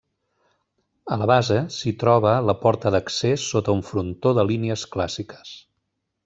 A la base s'hi troba la porta d'accés sota un frontó de línies clàssiques.